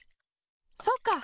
そうか！